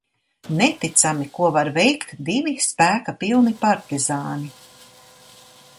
Neticami, ko var veikt divi spēka pilni partizāni.